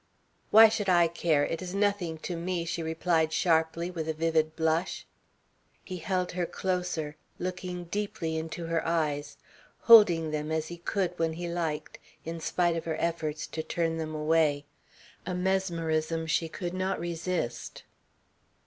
"Why should I care? It is nothing to me," she replied sharply, with a vivid blush. He held her closer, looking deeply into her eyes, holding them as he could when he liked, in spite of her efforts to turn them away a mesmerism she could not resist.